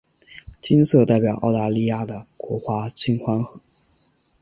金色代表澳大利亚的国花金合欢。